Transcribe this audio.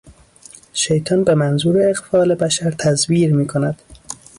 شیطان به منظور اغفال بشر تزویر میکند.